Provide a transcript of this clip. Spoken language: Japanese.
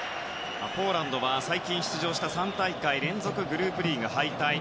ポーランドは最近出場した３大会連続でグループリーグ敗退。